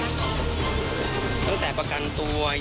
มันก็ยังอยากถามว่าทำไมต้องเป็นลูกของด้วย